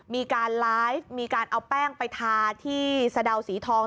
มีการไลฟ์มีการเอาแป้งไปทาที่สะดาวสีทอง